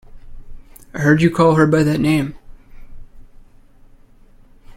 I heard you call her by that name.